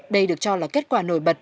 đây được cho là kết quả nổi bật